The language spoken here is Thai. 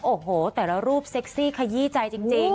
โอ้โหแต่ละรูปเซ็กซี่ขยี้ใจจริง